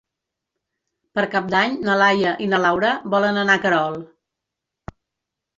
Per Cap d'Any na Laia i na Laura volen anar a Querol.